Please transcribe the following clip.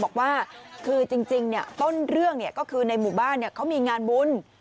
บอกว่าคือจริงต้นเรื่องก็คือในหมู่บ้านเขามีงานบุญ